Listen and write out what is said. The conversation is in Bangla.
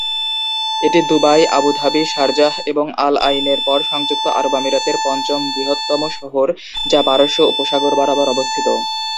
এটি দুবাই, আবুধাবি, শারজাহ এবং আল আইনের পর সংযুক্ত আরব আমিরাতের পঞ্চম বৃহত্তম শহর, যা পারস্য উপসাগর বরাবর অবস্থিত।